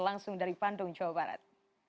langsung dari bandung jawa barat